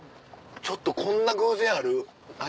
ちょっとこんな偶然ある？